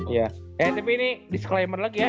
iya tapi ini disclaimer lagi ya